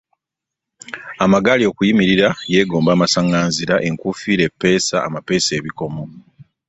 Amagaali okuyimirira yeegomba amasannanzira enkuufiira eppeesa amapeesa ebikomo.